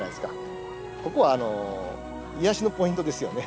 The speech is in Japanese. ここは癒やしのポイントですよね。